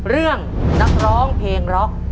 เรื่องนักร้องเพลงร็อก